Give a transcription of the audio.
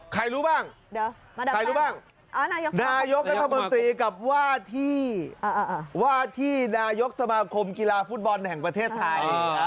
ใครรู้บ้างใครรู้บ้างนายกรัฐมนตรีกับว่าที่ว่าที่นายกสมาคมกีฬาฟุตบอลแห่งประเทศไทย